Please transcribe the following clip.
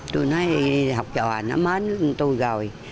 tôi nói học trò nó mến tôi rồi